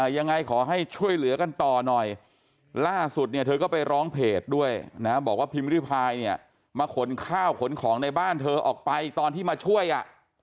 ยังไงขอให้ช่วยเหลือกันต่อหน่อยล่าสุดเนี่ยเธอก็ไปร้องเพจด้วยนะบอกว่าพิมพิริพายเนี่ยมาขนข้าวขนของในบ้านเธอออกไปตอนที่มาช่วยอ่ะ